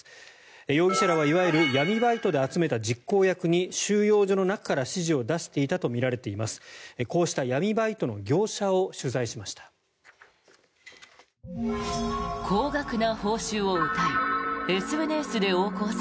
容疑者らはいわゆる闇バイトで集めた実行役に収容所の中から指示を出していたとみられています。